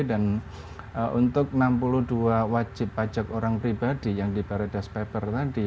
dan untuk enam puluh dua wajib pajak orang pribadi yang di paradise papers tadi